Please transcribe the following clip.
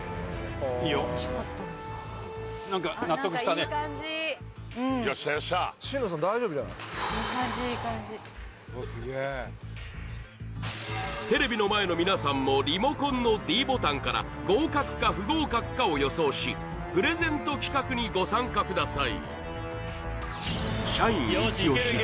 現場でつけるテレビの前の皆さんもリモコンのｄボタンから合格か不合格かを予想しプレゼント企画にご参加ください